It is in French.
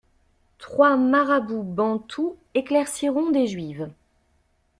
Trois marabouts bantous éclairciront des juives.